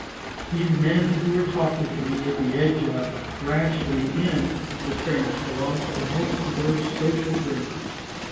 These men who are talking to me at the edge of, or actually in, the trench belong to the most diverse social grades.